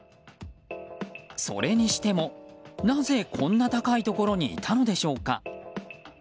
それにしてもなぜこんな高いところにいたのでしょうか。